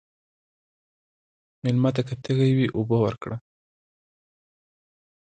مېلمه ته که تږی وي، اوبه ورکړه.